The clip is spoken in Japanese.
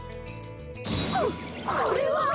ここれは！